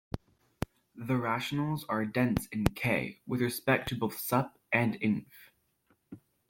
The rationals are dense in "K" with respect to both sup and inf.